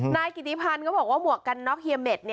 นายกิติพันธ์ก็บอกว่าหมวกกันน็อกเฮียเม็ด